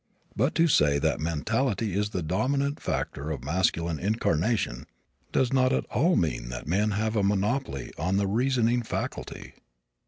But to say that mentality is the dominant factor of masculine incarnation does not at all mean that men have a monopoly of the reasoning faculty.